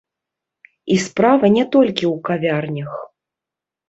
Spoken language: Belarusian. І справа не толькі ў кавярнях.